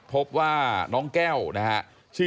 พบว่าน้องแก้วนะฮะ